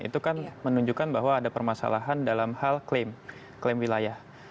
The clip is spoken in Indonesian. itu kan menunjukkan bahwa ada permasalahan dalam hal klaim klaim wilayah